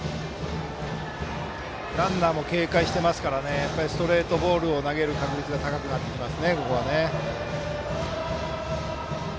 ランナーも警戒していますからストレートボールを投げる確率が高いです。